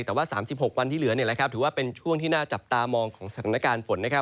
แต่ว่าสามสิบหกวันที่เหลือเนี่ยแหละครับถือว่าเป็นช่วงที่น่าจับตามองของสถานการณ์ฝนนะครับ